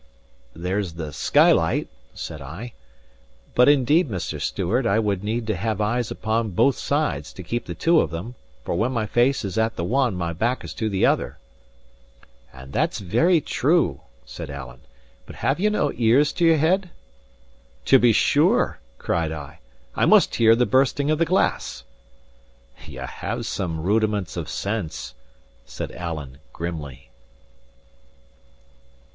"There's the skylight," said I. "But indeed, Mr. Stewart, I would need to have eyes upon both sides to keep the two of them; for when my face is at the one, my back is to the other." "And that's very true," said Alan. "But have ye no ears to your head?" "To be sure!" cried I. "I must hear the bursting of the glass!" "Ye have some rudiments of sense," said Alan, grimly.